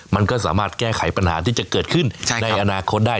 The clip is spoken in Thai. มันก็สามารถแก้ไขปัญหาที่จะเกิดขึ้นในอนาคตได้